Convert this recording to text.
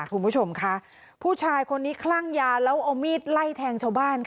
คุณผู้ชมค่ะผู้ชายคนนี้คลั่งยาแล้วเอามีดไล่แทงชาวบ้านค่ะ